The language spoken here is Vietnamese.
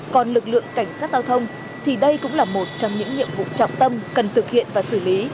còn lực lượng cảnh sát giao thông thì đây cũng là một trong những nhiệm vụ trọng tâm cần thực hiện và xử lý